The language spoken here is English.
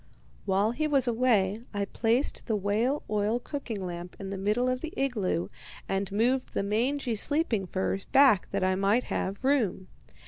"While he was away I placed the whale oil cooking lamp in the middle of the igloo, and moved the mangy sleeping furs back that I might have room.